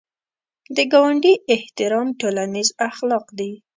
د ګاونډي احترام ټولنیز اخلاق دي